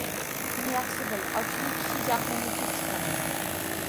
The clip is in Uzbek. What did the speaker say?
Shuni yaxshi bil: ochlik kishi jahlini tez chiqaradi.